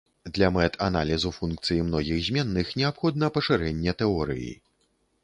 Для мэт аналізу функцый многіх зменных неабходна пашырэнне тэорыі.